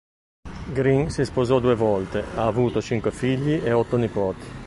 Green si sposò due volte, ha avuto cinque figli e otto nipoti.